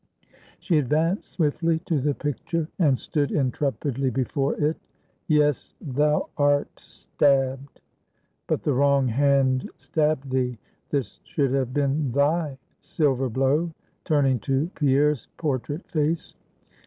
She advanced swiftly to the picture, and stood intrepidly before it. "Yes, thou art stabbed! but the wrong hand stabbed thee; this should have been thy silver blow," turning to Pierre's portrait face.